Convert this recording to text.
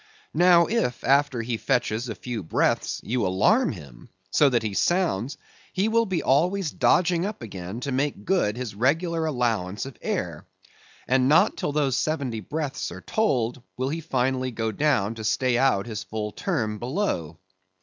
Now, if after he fetches a few breaths you alarm him, so that he sounds, he will be always dodging up again to make good his regular allowance of air. And not till those seventy breaths are told, will he finally go down to stay out his full term below.